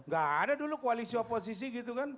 gak ada dulu koalisi oposisi gitu kan